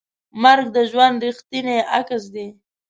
مرګ د ژوند ریښتینی عکس دی.